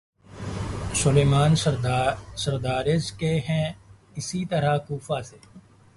سلیمان بن سرد رض کے ہیں اسی طرح کوفہ سے